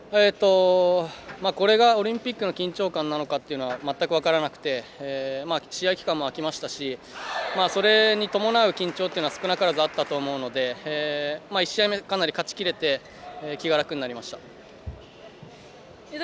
これが、オリンピックの緊張感なのかは全く分からなくて試合期間も空きましたしそれに伴う緊張というのは少なからずあったと思うので１試合目、かなり勝ちきれて気が楽になりました。